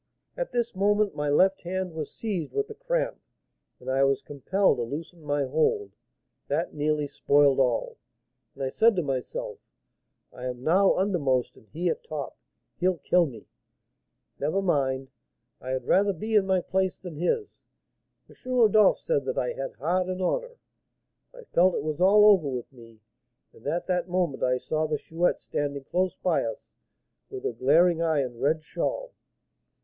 At this moment my left hand was seized with the cramp, and I was compelled to loosen my hold; that nearly spoiled all, and I said to myself, 'I am now undermost and he at top, he'll kill me. Never mind, I had rather be in my place than his; M. Rodolph said that I had heart and honour.' I felt it was all over with me, and at that moment I saw the Chouette standing close by us, with her glaring eye and red shawl.